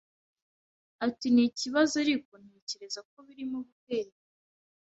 Ati “Ni ikibazo ariko ntekereza ko birimo gutera imbere